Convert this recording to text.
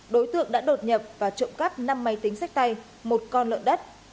đối tượng đã đột nhập và trộm cắp năm máy tính sách tay một con lợn đất